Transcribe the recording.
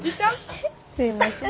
すみません。